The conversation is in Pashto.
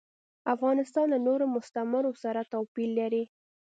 افغانستان له نورو مستعمرو سره توپیر لري.